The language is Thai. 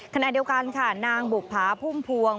ขณะเดียวกันค่ะนางบุภาพุ่มพวง